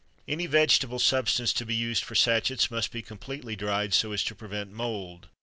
Any vegetable substance to be used for sachets must be completely dried so as to prevent mould.